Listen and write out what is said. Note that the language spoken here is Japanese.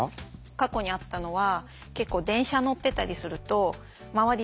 過去にあったのは結構電車乗ってたりすると周り